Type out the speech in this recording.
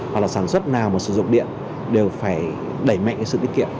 hoặc sản xuất nào mà sử dụng điện đều phải đẩy mạnh sự tiết kiệm